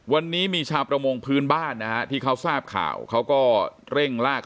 วันนี้มีชาวประมงพื้นบ้านนะฮะที่เขาทราบข่าวเขาก็เร่งลาก